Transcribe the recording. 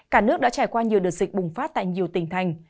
cả nước đã trải qua nhiều đợt dịch bùng phát tại nhiều tỉnh thành